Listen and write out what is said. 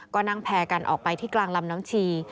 ก็นั่งแพร่กันออกไปที่กลางลำน้ำชี